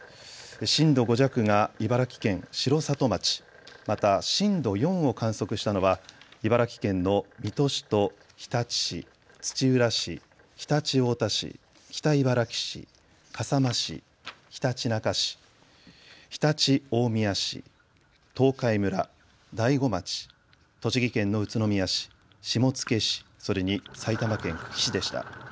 震度５弱が茨城県城里町、また震度４を観測したのは茨城県の水戸市と日立市、土浦市、常陸太田市、北茨城市、笠間市、ひたちなか市、常陸大宮市、東海村、大子町、栃木県の宇都宮市、下野市、それに埼玉県久喜市でした。